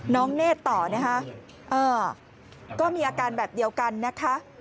เนธต่อนะคะก็มีอาการแบบเดียวกันนะคะ